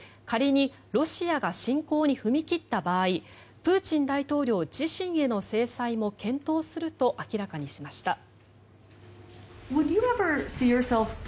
仮にロシアが侵攻に踏み切った場合プーチン大統領自身への制裁も検討すると明らかにしました。